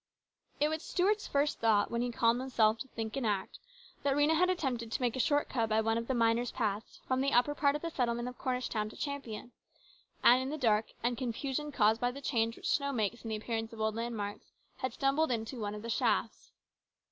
It was Stuart's first thought, when he calmed himself to think and act, that Rhena had attempted to make a short cut by one of the miners' paths from the upper part of the settlement of Cornish town to Champion, and in the dark, and confusion caused by the change which snow makes in the appearance of old landmarks, had stumbled into one of the shafts.